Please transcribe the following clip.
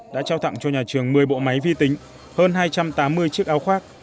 đã trao tặng cho nhà trường một mươi bộ máy vi tính hơn hai trăm tám mươi chiếc áo khoác